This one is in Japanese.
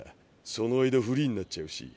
その間フリーになっちゃうし。